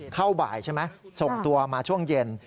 เข้าบ่ายใช่ไหมส่งตัวมาช่วงเย็น